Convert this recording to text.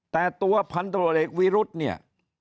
แต่ตัวพันธุระเหล็กวิรุฑเนี่ย